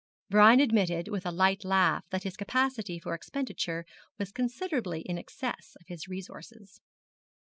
Brian admitted with a light laugh that his capacity for expenditure was considerably in excess of his resources.